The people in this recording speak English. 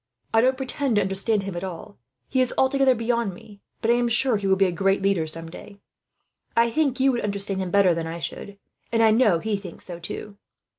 "I don't pretend to understand him at all he is altogether beyond me; but I am sure he will be a great leader, some day. I think you would understand him better than I should, and I know he thinks so, too.